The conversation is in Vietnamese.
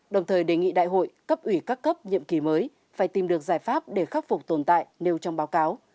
đồng thời đề nghị đại hội cấp ủy các cấp nhiệm kỳ mới phải tìm được giải pháp để khắc phục tồn tại nêu trong báo cáo